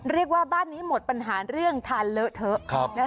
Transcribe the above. เรียกว่าบ้านนี้หมดปัญหาเรื่องทานเลอะเถอะ